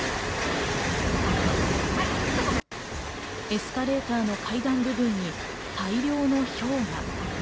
エスカレーターの階段部分に大量のひょうが。